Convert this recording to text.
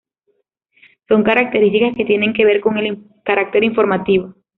Son características que tienen que ver con el carácter informativo.